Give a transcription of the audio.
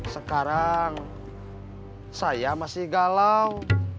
sekarang saya masih galau